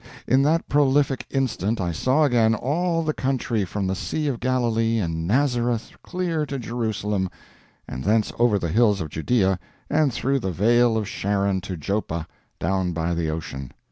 In that prolific instant I saw again all the country from the Sea of Galilee and Nazareth clear to Jerusalem, and thence over the hills of Judea and through the Vale of Sharon to Joppa, down by the ocean.